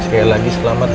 saya lagi selamat